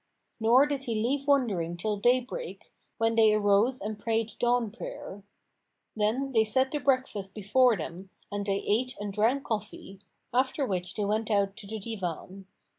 Nor did he leave wondering till day break, when they arose and prayed the dawn prayer. Then they set the breakfast[FN#480] before them and they ate and drank coffee, after which they went out to the divan.